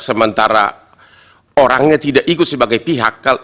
sementara orangnya tidak ikut sebagai pihak